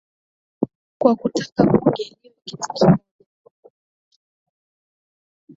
kwa kutaka bunge liwe kitu kimoja